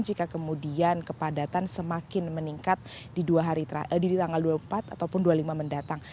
jika kemudian kepadatan semakin meningkat di tanggal dua puluh empat ataupun dua puluh lima mendatang